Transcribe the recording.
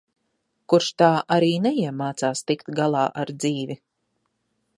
Kurš tā arī neiemācās tikt galā ar dzīvi.